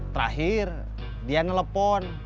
terakhir dia nelfon